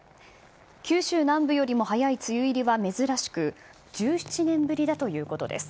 九州南部よりも早い梅雨入りは珍しく、１７年ぶりだということです。